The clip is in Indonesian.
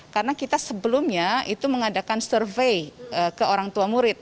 karena kita sebelumnya itu mengadakan survei ke orang tua murid